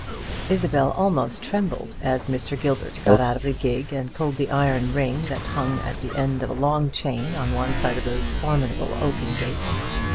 Isabel almost trembled as Mr. Gilbert got out of the gig and pulled the iron ring that hung at the end of a long chain on one side of those formidable oaken gates.